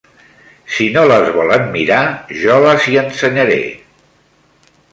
Si no les volen mirar, jo las hi ensenyaré